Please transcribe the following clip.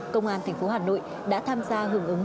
công an tp hà nội đã tham gia hưởng ứng